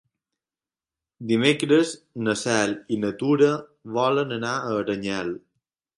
Dimecres na Cel i na Tura volen anar a Aranyel.